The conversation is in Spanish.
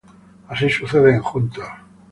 Así sucede en "Juntos!!